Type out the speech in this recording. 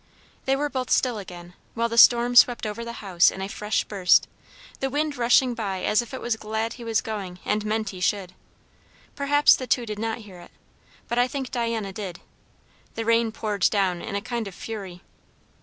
They were both still again, while the storm swept over the house in a fresh burst, the wind rushing by as if it was glad he was going and meant he should. Perhaps the two did not hear it; but I think Diana did. The rain poured down in a kind of fury.